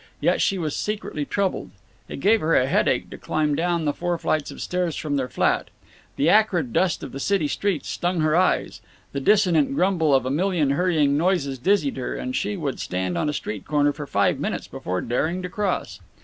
Yet she was secretly troubled. It gave her a headache to climb down the four flights of stairs from their flat. The acrid dust of the city streets stung her eyes, the dissonant grumble of a million hurrying noises dizzied her, and she would stand on a street corner for five minutes before daring to cross.